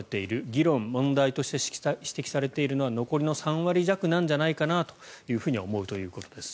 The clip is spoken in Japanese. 議論、問題として指摘されているのは残りの３割弱なんじゃないかなとは思うということです。